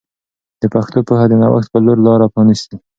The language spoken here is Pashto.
د پښتو پوهه د نوښت په لور لاره پرانیسي.